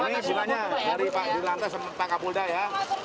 ini jumlahnya dari pak gilantes dan pak kapulda ya